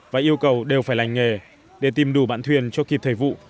và yêu cầu đều phải lành nghề để tìm đủ bạn thuyền cho kịp thời vụ